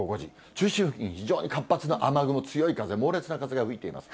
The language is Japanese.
中心付近、非常に活発な雨雲、強い風、猛烈な風が吹いています。